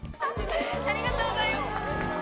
ありがとうございます。